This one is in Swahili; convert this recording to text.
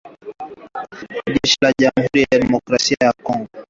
jeshi la jamuhuri ya kidemokrasai ya Kongo lilisema kwamba ,waasi wa M ishirni na tatu